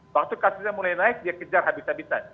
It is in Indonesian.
waktu kasusnya mulai naik dia kejar habis habisan